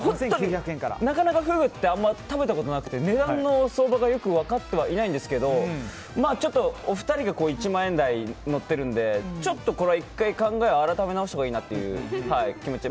なかなかフグってあんまり食べたことなくて値段の相場がよく分かってはいないんですけどちょっと、お二人が１万円台に乗っているのでちょっとこれは１回考えを改め直したほうがいいなという気持ちで。